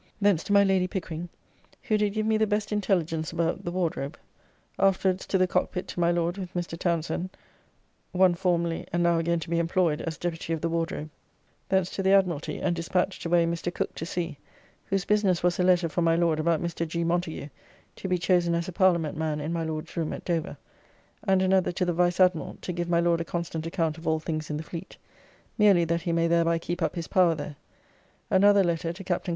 Thence to my Lady Pickering, who did give me the best intelligence about the Wardrobe. Afterwards to the Cockpit to my Lord with Mr. Townsend, one formerly and now again to be employed as Deputy of the Wardrobe. Thence to the Admiralty, and despatched away Mr. Cooke to sea; whose business was a letter from my Lord about Mr. G. Montagu to be chosen as a Parliament man in my Lord's room at Dover;' and another to the Vice Admiral to give my Lord a constant account of all things in the fleet, merely that he may thereby keep up his power there; another letter to Captn.